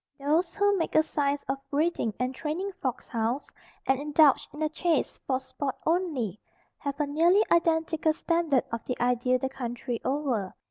Those who make a science of breeding and training fox hounds, and indulge in the chase for sport only, have a nearly identical standard of the ideal the country over.